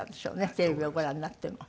テレビをご覧になっても。